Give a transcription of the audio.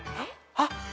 あっ！